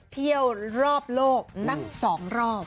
เที่ยวรอบโลกนัก๒รอบ